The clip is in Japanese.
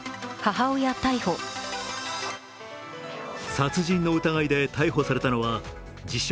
殺人の疑いで逮捕されたのは自称